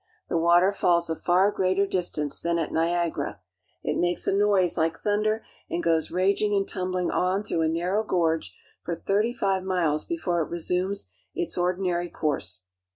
The water falls a far greater distance than at Niagara. It makes a noise like thunder, and goes raging and tumbling on through a narrow gorge for thirty five miles before it resumes its ordinary course.